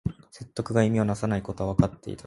説得が意味をなさないことはわかっていたから